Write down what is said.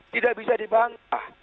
tidak bisa dibantah